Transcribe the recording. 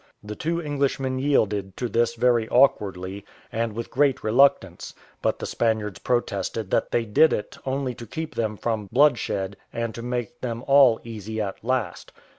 The two Englishmen yielded to this very awkwardly, and with great reluctance; but the Spaniards protested that they did it only to keep them from bloodshed, and to make them all easy at last.